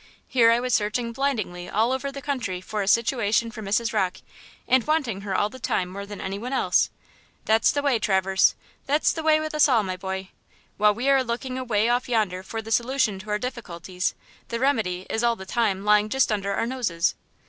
Here I was searching blindingly all over the country for a situation for Mrs. Rocke, and wanting her all the time more than any one else! That's the way, Traverse; that's the way with us all, my boy! While we are looking away off yonder for the solution to our difficulties, the remedy is all the time lying just under our noses!